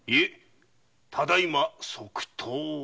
ただいま即答を。